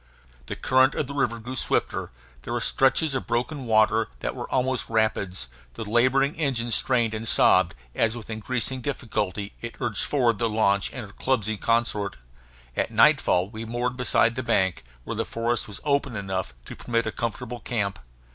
The current of the river grew swifter; there were stretches of broken water that were almost rapids; the laboring engine strained and sobbed as with increasing difficulty it urged forward the launch and her clumsy consort. At nightfall we moored beside the bank, where the forest was open enough to permit a comfortable camp.